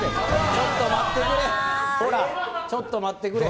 ちょっと待ってくれ。